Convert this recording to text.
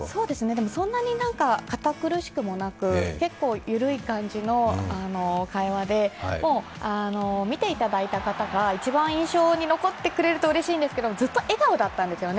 でもそんなに堅苦しくなく、結構緩い感じの会話で、見ていただいた方が一番印象に残ってくれるとうれしいんですが、ずっと笑顔だったんですよね